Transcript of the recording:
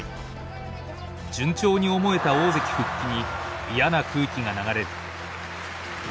順調に思えた大関復帰に嫌な空気が流れる。